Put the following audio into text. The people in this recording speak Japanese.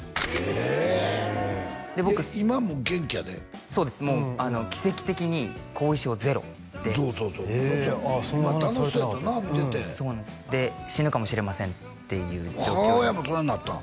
えっ今もう元気やでそうですもう奇跡的に後遺症ゼロでそうそうそう楽しそうやったな見ててで死ぬかもしれませんっていう状況に母親もそんなんなったん？